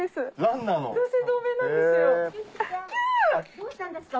どうしたんですか？